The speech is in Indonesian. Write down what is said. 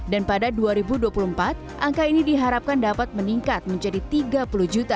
dan pada dua ribu dua puluh empat angka ini diharapkan dapat meningkat menjadi rp tiga puluh